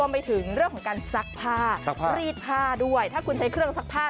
ไปถึงเรื่องของการซักผ้ารีดผ้าด้วยถ้าคุณใช้เครื่องซักผ้า